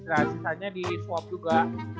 dan sisanya di swap juga